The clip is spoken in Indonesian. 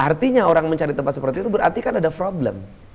artinya orang mencari tempat seperti itu berarti kan ada problem